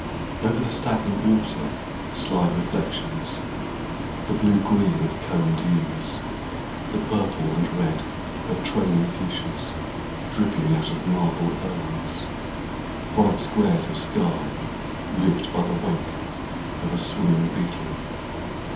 Over the stagnant water Slide reflections : The blue green of coned yews ; The purple and red of trailing fuchsias Dripping out of marble urns ; Bright squares of sky Ribbed by the wake of a swimming beetle.